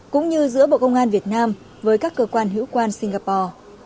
cũng như giữa bộ công an việt nam với các cơ quan hữu quan singapore